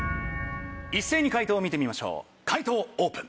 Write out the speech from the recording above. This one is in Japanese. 一斉に解答見てみましょう解答オープン。